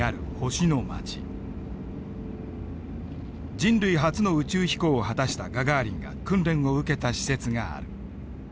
人類初の宇宙飛行を果たしたガガーリンが訓練を受けた施設がある。